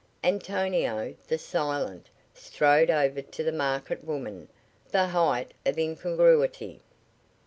Antonio, the silent, strode over to the market woman the height of incongruity.